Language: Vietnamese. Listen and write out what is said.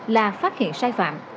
là phát hiện sai phạm